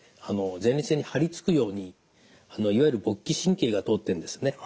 前立腺に張り付くようにいわゆる勃起神経が通ってるんですね。